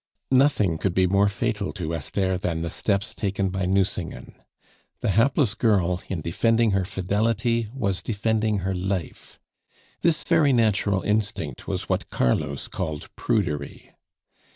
Nothing could be more fatal to Esther than the steps taken by Nucingen. The hapless girl, in defending her fidelity, was defending her life. This very natural instinct was what Carlos called prudery.